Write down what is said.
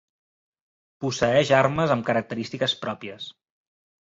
Posseeix armes amb característiques pròpies.